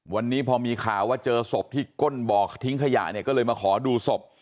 วันนี้พอมีข่าวว่าเจอศพที่ก้นบ่อทิ้งขยะเนี่ยก็เลยมาขอดูศพ